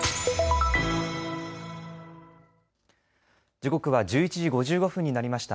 時刻は１１時５５分になりました。